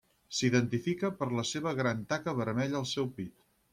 S'identifica per la seva gran taca vermella en el seu pit.